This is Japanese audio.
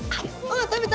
食べた！